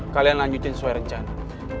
kalian lanjutin sesuai rencana